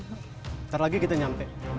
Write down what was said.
nanti lagi kita sampai